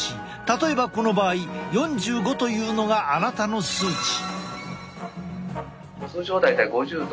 例えばこの場合４５というのがあなたの数値。